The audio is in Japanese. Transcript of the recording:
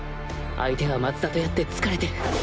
相手は松田とやって疲れてる